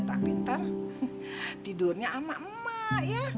tapi ntar tidurnya ama emak ya